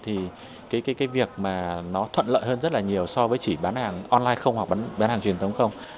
thì việc này thuận lợi hơn rất nhiều so với chỉ bán hàng online không hoặc bán hàng truyền thống không